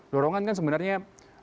lorongan kan sebenarnya